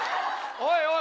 おいおい。